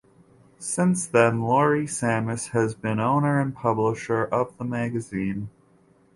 Since then Laurie Sammis has been owner and publisher of the magazine.